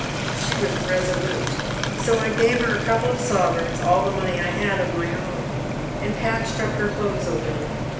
She was resolute, 60 I gave her a couple of sovereigns, all the money I had of my own, and patched up her clothes a little.